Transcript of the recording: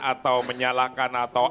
atau menyalahkan atau